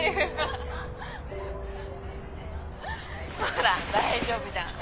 ほら大丈夫じゃん。